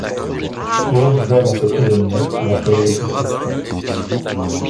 Pierre voit dans cet événement l’appel du destin.